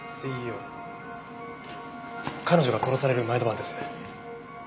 彼女が殺される前の晩です。